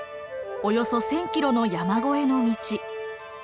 およそ１，０００キロの山越えの道。